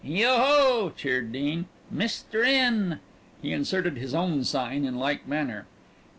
"Yoho!" cheered Dean. "Mister In." He inserted his own sign in like manner.